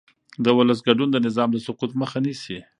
د ولس ګډون د نظام د سقوط مخه نیسي